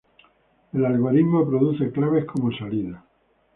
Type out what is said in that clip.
El algoritmo produce claves como salida.